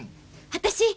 私